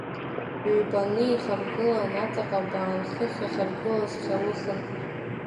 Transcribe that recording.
Ҩбаны еихаргылан аҵаҟа баан, хыхь иахаргылаз хьа-лыхын.